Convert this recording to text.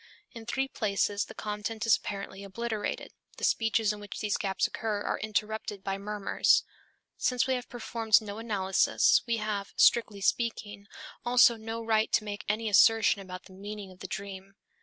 In three places the content is apparently obliterated, the speeches in which these gaps occur are interrupted by murmurs. Since we have performed no analysis, we have, strictly speaking, also no right to make any assertion about the meaning of the dream.